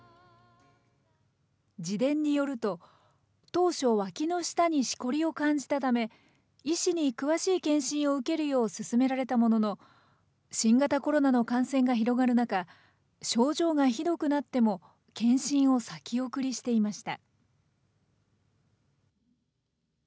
自伝によると、当初、わきの下にしこりを感じたため、医師に詳しい検診を受けるよう勧められたものの、新型コロナの感染が広がる中、症状がひどくなっても、検診を先送りしていました。